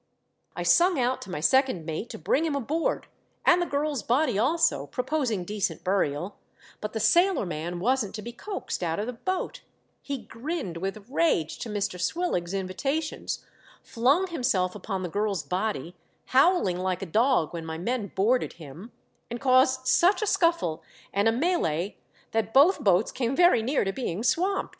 I sung out to my second mate to bring him aboard and the girl's body also, proposing decent burial ; but the sailor man wasn't to be coaxed out of the boat ; he grinned with rage to Mr. Swillig's invitations, fiung himself upon the girl's body, howling like a dog when my men boarded him, and caused such a scuffle and a melhee that both boats came very near to being swampt.